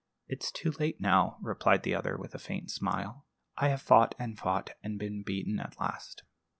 "It's too late now," replied the other, with a faint smile. "I have fought and fought, and been beaten at last.